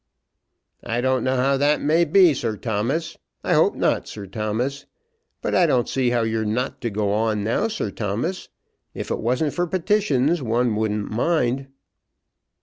"I don't know how that may be, Sir Thomas. I hope not, Sir Thomas. But I don't see how you're not to go on now, Sir Thomas. If it wasn't for petitions, one wouldn't mind."